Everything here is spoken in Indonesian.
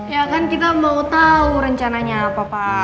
ya kan kita mau tahu rencananya papa